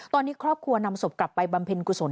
ตอนนี้ครอบครัวนำศพกลับไปบำเพ็ญกุศล